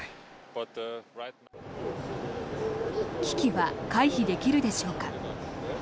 危機は回避できるでしょうか。